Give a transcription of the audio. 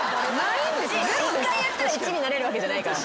１回やったら１になれるわけじゃないから。